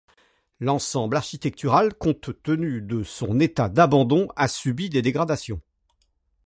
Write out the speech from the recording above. L'ensemble architectural, compte tenu de son état d'abandon, a subi des dégradations.